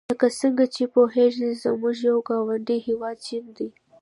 لکه څنګه چې پوهیږئ زموږ یو ګاونډي هېواد چین دی.